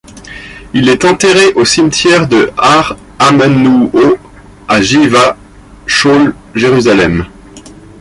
Il est enterré au cimetière de Har Hamenouhot, à Givat Shaul, Jérusalem.